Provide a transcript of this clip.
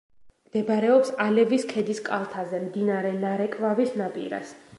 მდებარეობს ალევის ქედის კალთაზე, მდინარე ნარეკვავის ნაპირას.